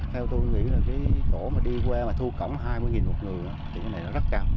theo tôi nghĩ là cái cổ mà đi quê mà thu cổng hai mươi một người thì cái này là rất cao